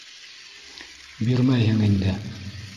Бирмәйһең инде?